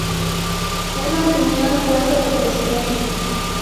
El asumió el puesto de presidente.